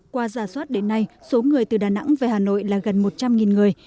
qua giả soát đến nay số người từ đà nẵng về hà nội là gần một trăm linh người